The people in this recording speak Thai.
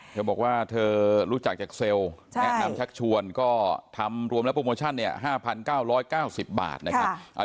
เธอบอกว่าเธอรู้จักจากเซลล์แนะนำชักชวนก็ทำรวมแล้วโปรโมชั่นเนี่ย๕๙๙๐บาทนะครับ